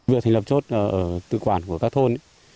việc thành lập chốt tự quản của các thôn